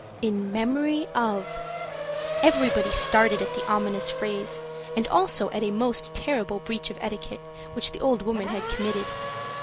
"In memory of!" Everybody started at the ominous phrase, and also at a most terrible breach of etiquette which the old woman had committed.